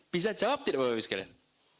bisa jawab tidak pak pak sekarang